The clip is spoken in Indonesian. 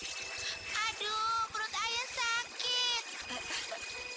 aduh perut ayam sakit